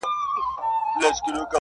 او له ساحې ووځئ